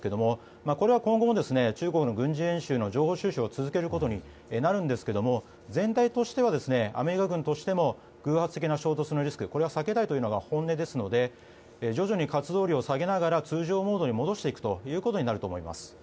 これは今後も中国の軍事演習の情報収集を続けることになるんですが全体としてはアメリカ軍としても偶発的な衝突のリスクは避けたいというのが本音ですので徐々に活動量を下げながら通常モードに戻していくということになると思います。